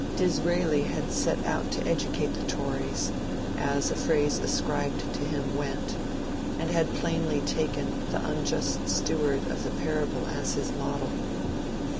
Disraeli had set out to ^^ educate the Tories," — as a phrase ascribed to him went, — and had plainly taken the ^^ unjust steward " of the parable as his model.